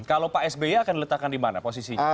kalau pak sby akan diletakkan dimana